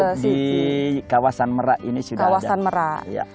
untuk di kawasan merak ini sudah ada